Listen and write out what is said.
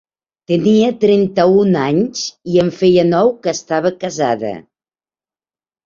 Tenia trenta-un anys, i en feia nou que estava casada.